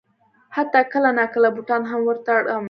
حتی کله ناکله بوټان هم ور تړم.